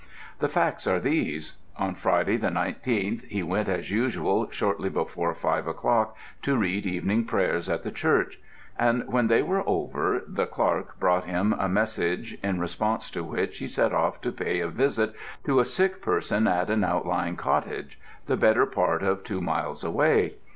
The facts are these. On Friday the 19th, he went as usual shortly before five o'clock to read evening prayers at the Church; and when they were over the clerk brought him a message, in response to which he set off to pay a visit to a sick person at an outlying cottage the better part of two miles away.